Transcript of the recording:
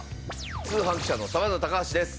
通販記者のサバンナ高橋です。